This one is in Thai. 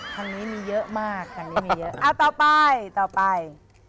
ทางนี้มีเยอะมากต่อไป